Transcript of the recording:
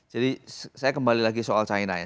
jadi saya kembali lagi soal china ya